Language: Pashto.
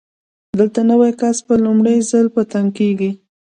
دلته نوی کس په لومړي ځل په تنګ کېږي.